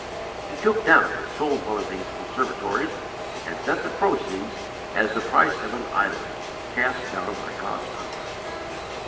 He took down and sold one of these conservatories and sent the proceeds as "the price of an idol, cast down by God's power."